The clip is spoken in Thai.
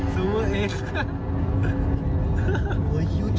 ซูเวอร์เอส